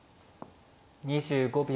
２５秒。